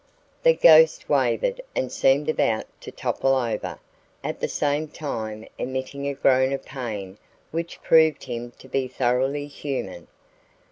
The "ghost" wavered and seemed about to topple over, at the same time emitting a groan of pain which proved him to be thoroughly human.